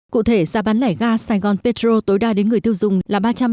cụ thể giá bán lẻ ga saigon petro tối đa đến người thư dùng là